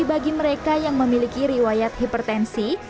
bagi mereka yang memiliki riwayat hipertensi